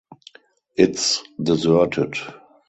It’s deserted.